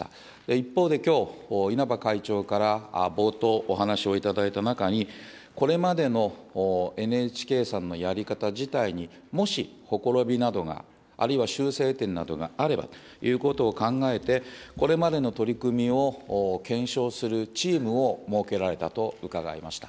一方できょう、稲葉会長から冒頭、お話をいただいた中に、これまでのＮＨＫさんのやり方自体に、もしほころびなどが、あるいは修正点などがあればということを考えて、これまでの取り組みを検証するチームを設けられたと伺いました。